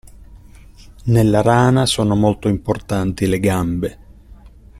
Nella rana sono molto importanti le gambe.